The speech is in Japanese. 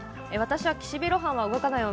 「岸辺露伴は動かない」を